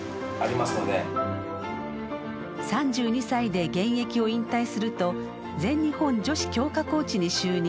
３２歳で現役を引退すると全日本女子強化コーチに就任。